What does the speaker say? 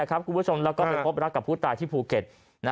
พอพบลักกันกับผู้ตายที่ภูเก็ต